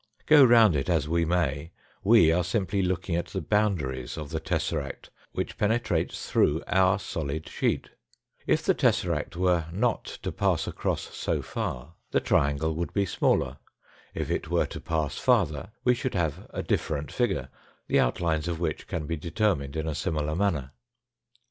G O round it as we may we are simply looking at the boundaries of the tesseract which penetrates through our solid sheet. If the tess^rapt were not to pass across so far, tl^e triangle 198 THE FOURTH DIMENSION Null y. P.: Null Fig. 124. Null wh. would be smaller ; if it were to pass farther, we should have a different figure, the outlines of which can be determined in a similar manner.